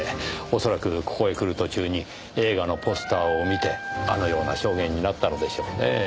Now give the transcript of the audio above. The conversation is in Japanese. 恐らくここへ来る途中に映画のポスターを見てあのような証言になったのでしょうねぇ。